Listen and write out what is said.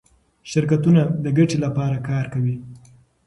شرکتونه د ګټې لپاره کار کوي.